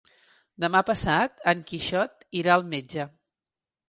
Demà passat en Quixot irà al metge.